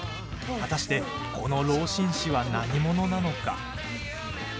果たしてこの老紳士は何者なのか。